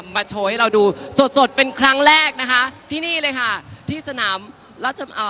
มาโชว์ให้เราดูสดสดเป็นครั้งแรกนะคะที่นี่เลยค่ะที่สนามราชอ่า